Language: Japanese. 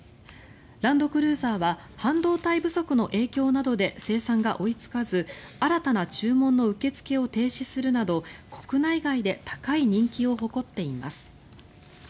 ランドクルーザーは半導体不足の影響などで生産が追いつかず新たな注文の受け付けを停止するなど、国内外で高い人気を誇っています。